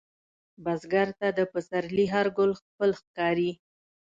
بزګر ته د پسرلي هر ګل خپل ښکاري